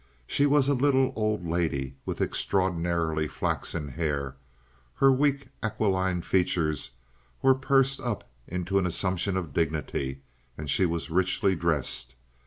She was a little old lady with extraordinarily flaxen hair, her weak aquiline features were pursed up into an assumption of dignity, and she was richly dressed.